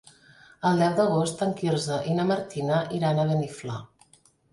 El deu d'agost en Quirze i na Martina iran a Beniflà.